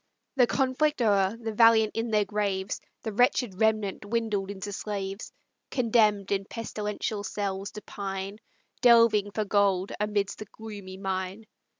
The conflict o'er, the valiant in their graves, The wretched remnant dwindled into slaves; Condemn'd in pestilential cells to pine, Delving for gold amidst the gloomy mine.